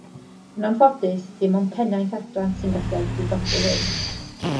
Yn anffodus dim ond pennaeth adran sy'n gallu awdurdodi hyn